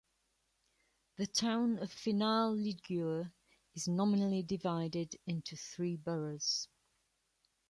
The town of Finale Ligure is nominally divided into three "boroughs".